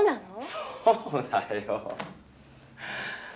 そうだよ。